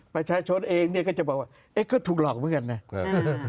ประชาชนเองก็จะบอกว่าอ่ะก็ถูกลอกเหมือนไหน